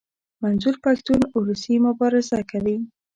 منظور پښتون اولسي مبارزه کوي.